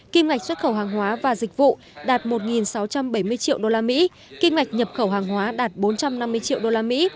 kim ngạch xuất khẩu hàng hóa và dịch vụ đạt một sáu trăm bảy mươi triệu đô la mỹ kinh ngạch nhập khẩu hàng hóa đạt bốn trăm năm mươi triệu đô la mỹ